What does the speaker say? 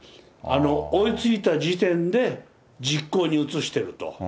追いついた時点で実行に移していると。